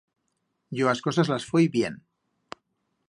Yo as cosas las foi bien.